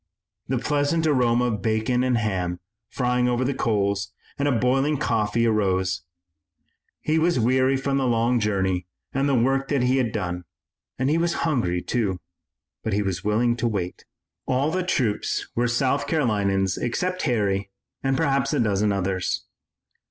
The pleasant aroma of bacon and ham frying over the coals and of boiling coffee arose. He was weary from the long journey and the work that he had done, and he was hungry, too, but he was willing to wait. All the troops were South Carolinians except Harry and perhaps a dozen others.